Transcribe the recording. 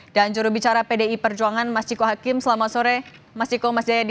dan jurubicara pdi perjuangan mas jiko hakim selamat sore mas jiko mas jayadi